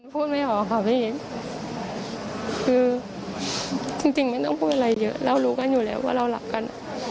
พูดไม่ออกค่ะพี่คือจริงไม่ต้องพูดอะไรเยอะเรารู้กันอยู่แล้วว่าเรารักกัน